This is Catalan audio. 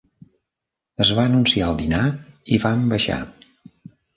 Es va anunciar el dinar, i vam baixar.